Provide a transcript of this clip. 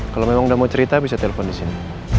kalau memang udah mau cerita bisa telepon di sini